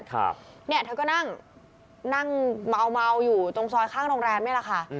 สื่อสารกับเพื่อนเนี่ยเธอก็นั่งเมาอยู่ตรงซอยข้างโรงแรมเนี่ยแหละค่ะ